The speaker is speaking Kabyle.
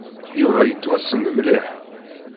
Yuba yettwassen mliḥ.